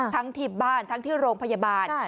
ที่บ้านทั้งที่โรงพยาบาล